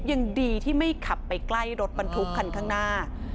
ยังดีที่ไม่ขับไปใกล้รถบรรทุกคันข้างหน้า